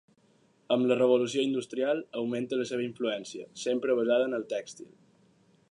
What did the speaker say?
Amb la Revolució industrial augmenta la seva influència, sempre basada en el tèxtil.